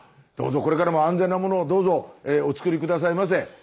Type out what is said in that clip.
どうぞこれからも安全なものをどうぞお作り下さいませ。